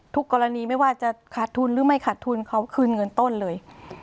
กรณีไม่ว่าจะขาดทุนหรือไม่ขาดทุนเขาคืนเงินต้นเลย